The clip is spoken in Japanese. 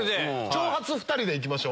長髪２人でいきましょ。